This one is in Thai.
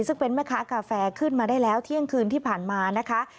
ซึ่งเป็นแม่ค้ากาแฟขึ้นมาได้แล้วเที่ยงคืนที่ผ่านมานะคะ